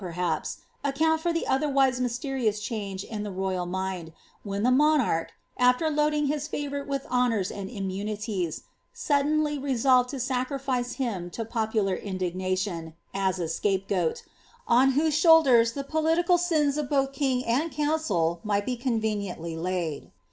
perhaps, account for ihe otherwise mysterious change in the royal mind, when the monarch, after loading his favourite with honours aud immunities, suddenly resolved to sacrifice him to popular indignation, as a scapegoat, on whose shoulders the political sins of both kint; and council mi:rht be conveniently laid.